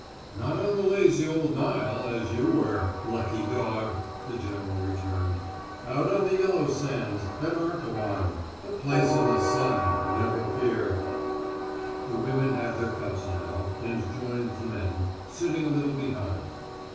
"Not on the lazy old Nile, as you were lucky dog!" the general returned. "Out on the yellow sands at Arkowan a place in the sun, never fear!" The women had their cups now, and joined the men, sitting a little behind.